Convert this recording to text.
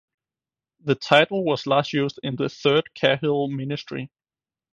The title was last used in the third Cahill ministry.